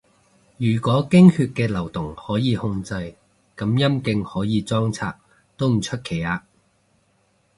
如果經血嘅流動可以控制，噉陰莖可以裝拆都唔出奇吖